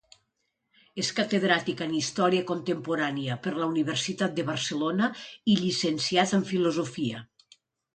És catedràtic en història contemporània per la Universitat de Barcelona i llicenciat en filosofia.